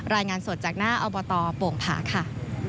รายงานสดจากหน้าอปวงภาค่ะ